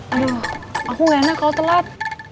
aduh aku gak enak kalau telat